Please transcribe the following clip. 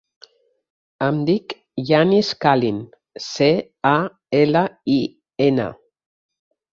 Em dic Yanis Calin: ce, a, ela, i, ena.